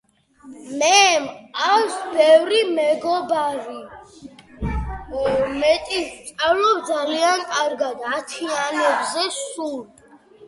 მაგალითებია პერსონალური კომპიუტერები და ვიდეო თამაშების კონსოლები.